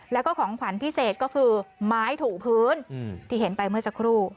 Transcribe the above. แล้วก็ของขวัญพิเศษก็คือไม้ถูพื้นที่เห็นไปเมื่อสักครู่